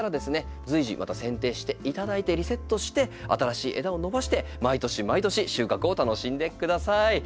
随時また剪定していただいてリセットして新しい枝を伸ばして毎年毎年収穫を楽しんでください。